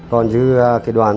còn như cái đoàn